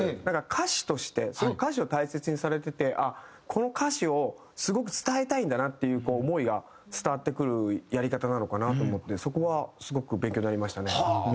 なんか歌詞としてすごい歌詞を大切にされててあっこの歌詞をすごく伝えたいんだなっていう思いが伝わってくるやり方なのかなと思ってそこはすごく勉強になりましたね。